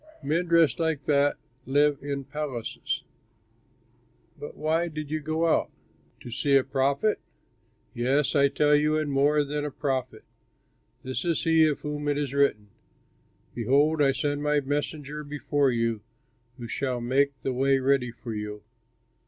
Men dressed like that live in palaces. But why did you go out? To see a prophet? Yes, I tell you, and more than a prophet! This is he of whom it is written: "'Behold, I send my messenger before you, Who shall make the way ready for you.'